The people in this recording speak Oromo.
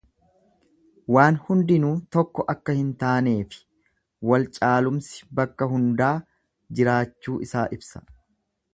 Waan hundinuu tokko akka hin taaneefi wal caalumsi bakka hundaa jiraachuu isaa ibsa.